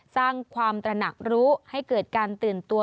สร้างความตระหนักรู้ให้เกิดการตื่นตัว